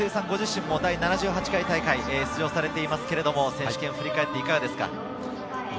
ご自身も第７８回大会に出場されていますが、選手権、振り返っていかがですか。